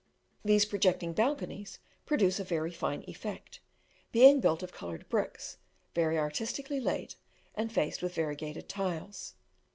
These projecting balconies produce a very fine effect, being built of coloured bricks, very artistically laid, and faced with variegated tiles.